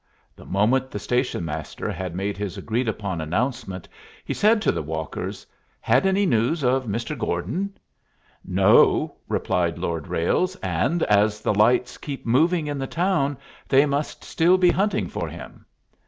The moment the station master had made his agreed upon announcement, he said to the walkers, "Had any news of Mr. Gordon?" "No," replied Lord Ralles. "And, as the lights keep moving in the town, they must still be hunting for him."